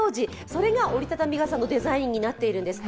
それが折り畳み傘のデザインになっているんです。